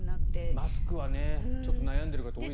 マスクはちょっと悩んでる方多いですよね。